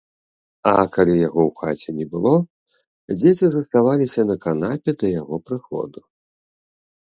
А калі яго ў хаце не было, дзеці заставаліся на канапе да яго прыходу.